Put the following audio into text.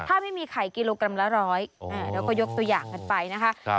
ถ้าไม่มีไข่กิโลกรัมละร้อยเราก็ยกตัวอย่างกันไปนะคะ